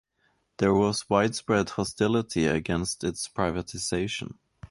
There was widespread hostility against its privatisation.